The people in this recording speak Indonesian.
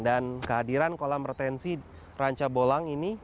dan kehadiran kolam retensi ranca bolang ini